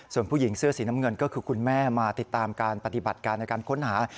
ส่วนผู้หญิงเสื้อสีน้ำเงินก็คือคุณแม่มาติดตามการปฏิบัติการในการค้นหา